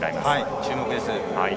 注目です。